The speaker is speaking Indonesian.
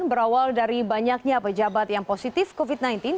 berawal dari banyaknya pejabat yang positif covid sembilan belas